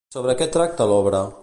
Sobre què tracta l'obra?